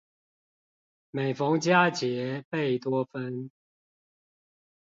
每逢佳節貝多芬